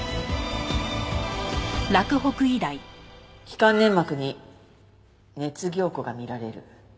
気管粘膜に熱凝固が見られる。